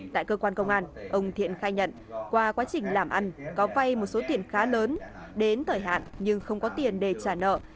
tại cơ quan công an ông thiện khai nhận qua quá trình làm ăn có vay một số tiền khá lớn đến thời hạn nhưng không có tiền để trả nợ